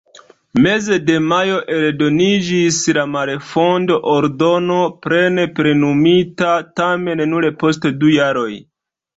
Meze de majo eldoniĝis la malfondo-ordono, plene plenumita tamen nur post du jaroj.